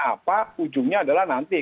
apa ujungnya adalah nanti